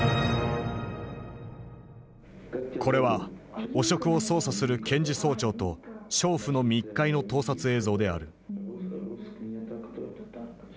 これは汚職を捜査する検事総長と娼婦の密会の盗撮映像である。